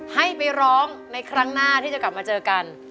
ให้ไปร้องในครั้งหน้าที่จะกลับมาเจอกัน